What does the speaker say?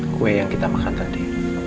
kue yang kita makan tadi